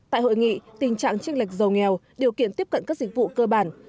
tại hội nghị tình trạng tranh lệch giàu nghèo điều kiện tiếp cận các dịch vụ cơ bản